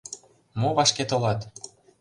Мо вашке толат?